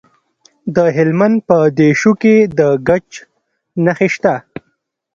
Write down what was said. د هلمند په دیشو کې د ګچ نښې شته.